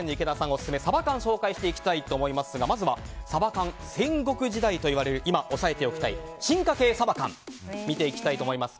オススメサバ缶を紹介していきたいと思いますがまずはサバ缶戦国時代といわれる今、押さえておきたい進化形サバ缶見ていきたいと思います。